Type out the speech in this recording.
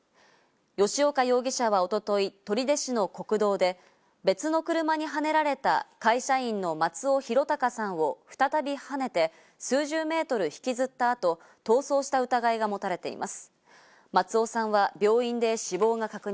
吉岡容疑者は一昨日、取手市の国道で、別の車にはねられた会社員の松尾啓生さんを再びはねて数十メートル引きずったあと、逃走した疑いが持たれています。